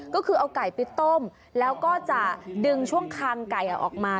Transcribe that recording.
ก็คือเอาไก่ไปต้มแล้วก็จะดึงช่วงคางไก่ออกมา